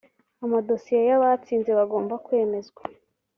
amadosiye y abatsinze bagomba kwemezwa